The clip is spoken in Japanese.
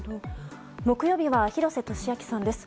木曜日は廣瀬俊朗さんです。